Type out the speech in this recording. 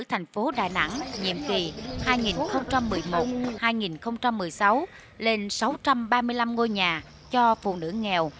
thành phố đà nẵng nhiệm kỳ hai nghìn một mươi một hai nghìn một mươi sáu lên sáu trăm ba mươi năm ngôi nhà cho phụ nữ nghèo